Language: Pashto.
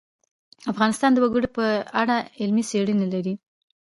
افغانستان د وګړي په اړه علمي څېړنې لري.